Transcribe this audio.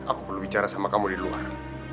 aku perlu bicara sama kamu di luar